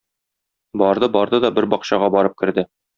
Барды-барды да бер бакчага барып керде.